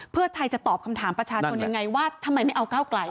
เพื่อไทยจะตอบคำถามประชาชนยังไงว่าทำไมไม่เอาก้าวไกล